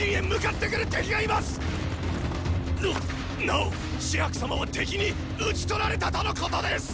なお紫伯様は敵に討ち取られたとのことです！っ！